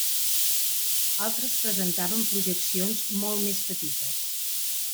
Altres presentaven projeccions molt més petites.